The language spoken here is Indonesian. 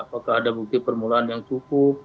apakah ada bukti permulaan yang cukup